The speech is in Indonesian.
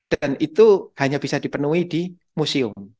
dan itu hanya bisa dipenuhi di museum